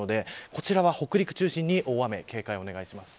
こちらは北陸を中心に大雨の警戒をお願いします。